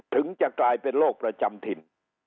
ถึงจะกลายเป็นโรคประจำถิ่น